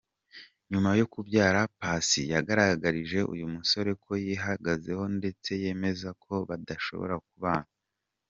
Nyuma yo kubyara Paccy yagaragarije uyu musore ko yihagazeho ndetse yemeza ko badashobora kubana.